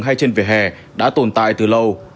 hay trên vỉa hè đã tồn tại từ lâu